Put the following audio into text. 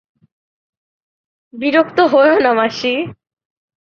বিরক্ত হোয়ো না মাসি।